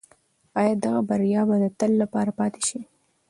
آیا دغه بریا به د تل لپاره پاتې شي؟